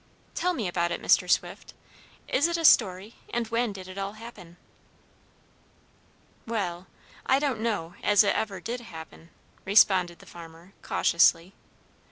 "Tell me about it, Mr. Swift. Is it a story, and when did it all happen?" "Well, I don't know as it ever did happen," responded the farmer, cautiously.